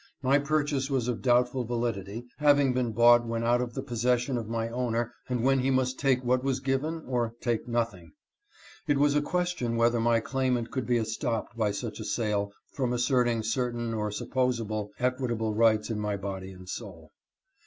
My purchase was of doubtful validity, having been bought when out of the possession of my owner and when he must take what was given or take nothing. It was a question whether my claimant could be estopped by such a sale from asserting certain or supposable equitable rights in my body and soul.